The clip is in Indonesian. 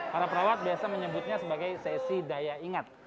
para perawat biasa menyebutnya sebagai sesi daya ingat